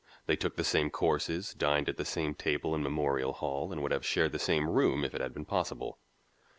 They took the same courses, dined at the same table in Memorial Hall and would have shared the same room if it had been possible.